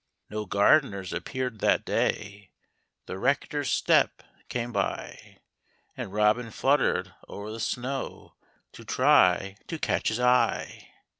No gardeners appeared that day : The Rector's step came by, And Robin fluttered o'er the snow To try to catch his eye.